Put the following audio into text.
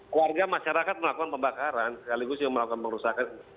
keluarga masyarakat melakukan pembakaran sekaligus yang melakukan pemerintah